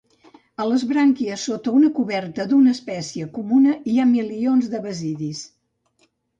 A les brànquies sota una coberta d"una espècie comuna, hi ha milions de basidis.